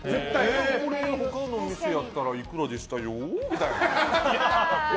これ、他の店やったらいくらでしたよみたいな。